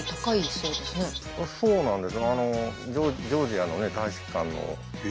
そうなんです。